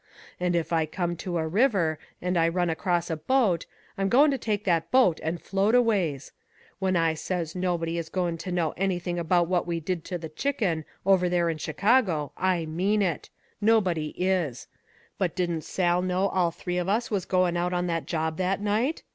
And if I come to a river, and I run across a boat, I'm goin' to take that boat and float a ways. When I says nobody is goin' to know anything about what we did to the Chicken, over there in Chicago, I mean it. Nobody is. But didn't Sal know all three of us was goin' out on that job that night?